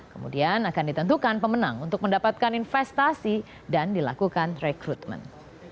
kemudian akan ditentukan pemenang untuk mendapatkan investasi dan dilakukan rekrutmen